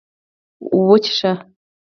_وڅښه!